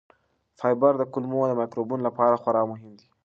فایبر د کولمو مایکروبونو لپاره خورا مهم دی.